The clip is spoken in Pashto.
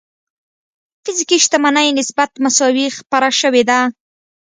فزيکي شتمنۍ نسبت مساوي خپره شوې ده.